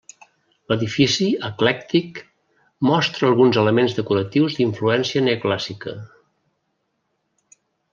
L'edifici, eclèctic, mostra alguns elements decoratius d'influència neoclàssica.